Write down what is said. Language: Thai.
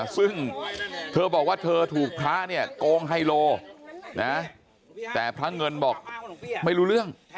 ซึ่งเธอบอกว่าเธอถูกพระเนี่ยโกงไฮโลนะแต่พระเงินบอกไม่รู้เรื่อง